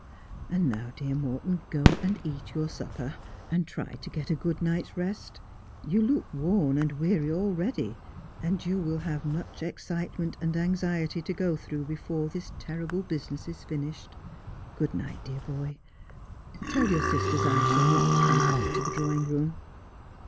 And now, dear Morton, go and eat your supper, and try to get a good night's rest. You look worn and weary already, and you will have much excitement and anxiety to go through before this terrible business is finished. Good night, dear boy ; tell your sisters I shall not come back to the drawing room.'